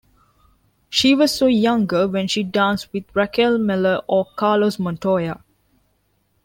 She was so younger when she dance with Raquel Meller o Carlos Montoya.